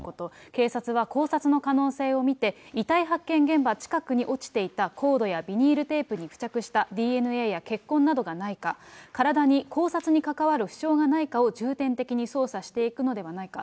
警察は絞殺の可能性を見て、遺体発見現場近くに落ちていたコードやビニールテープに付着したＤＮＡや、血痕などがないか、体に絞殺に関わる負傷がないかを重点的に捜査していくのではないか。